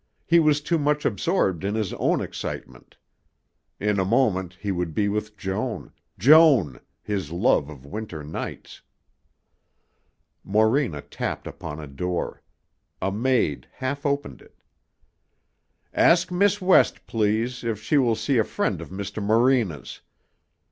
He was too much absorbed in his own excitement. In a moment he would be with Joan Joan, his love of winter nights! Morena tapped upon a door. A maid half opened it. "Ask Miss West, please, if she will see a friend of Mr. Morena's.